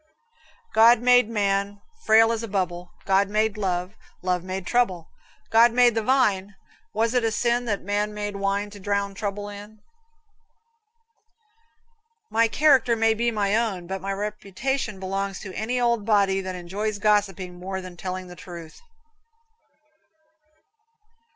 God made man Frail as a bubble; God made Love, Love made trouble; God made the vine; Was it a sin That man made wine To drown trouble in? "My character may be my own, but my reputation belongs to any old body that enjoys gossiping more than telling the truth."